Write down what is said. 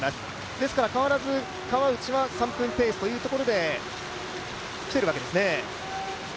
ですから変わらず川内は３分ペースというところできているわけですね。